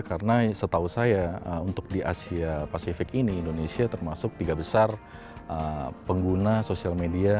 karena setahu saya untuk di asia pasifik ini indonesia termasuk tiga besar pengguna sosial media